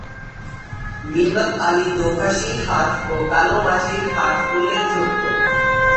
মিন্নত আলী দোভাষী হাট ও কালু মাঝি হাট উল্লেখযোগ্য।